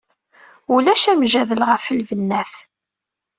Ulac amjadel ɣef lbennat.